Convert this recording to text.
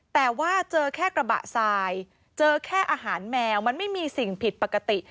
แต่ว่าเจอแค่กระบะทรายเจอแค่อาหารแมวมันไม่มีสิ่งผิดปกติ